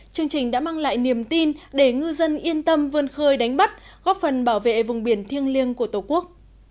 chương trình đã mang lại niềm tin để ngư dân yên tâm vươn khơi đánh bắt góp phần bảo vệ vùng biển thiêng liêng của tổ quốc